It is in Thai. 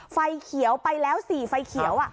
ไฟเขียวไปแล้ว๔ไฟเขียว